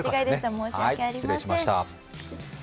申し訳ありません。